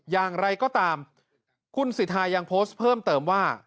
อย่างไรก็ตามคุณสิทธายังโพสต์เพิ่มเติมว่า